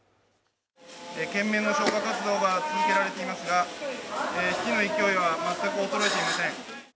懸命の消火活動が続けられていますが、火の勢いは全く衰えていません。